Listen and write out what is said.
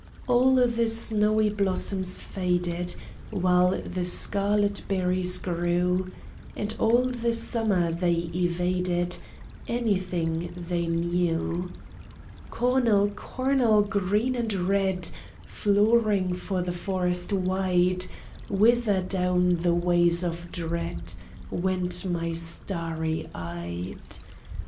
All the snowy blossoms faded, While the scarlet berries grew; And all summer they evaded Anything they knew. "Cornel, cornel, green and red Flooring for the forest wide, Whither down the ways of dread Went my starry eyed?"